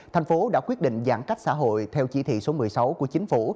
thành phố đã quyết định giãn cách xã hội theo chỉ thị số một mươi sáu của chính phủ